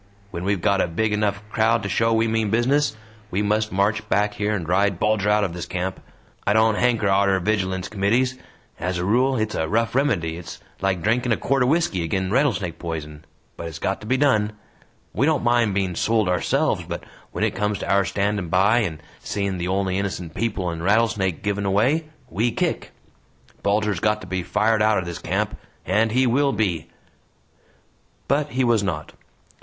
When we've got a big enough crowd to show we mean business, we must march back here and ride Bulger out of this camp! I don't hanker arter Vigilance Committees, as a rule it's a rough remedy it's like drinkin' a quart o' whisky agin rattlesnake poison but it's got to be done! We don't mind being sold ourselves but when it comes to our standin' by and seein' the only innocent people in Rattlesnake given away we kick! Bulger's got to be fired outer this camp! And he will be!" But he was not.